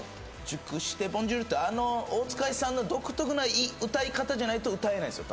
「熟してボンジュール」って大塚愛さんの独特な歌い方じゃないと歌えないですよ